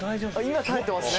今耐えてますね。